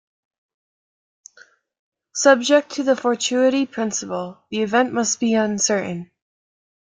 Subject to the "fortuity principle", the event must be uncertain.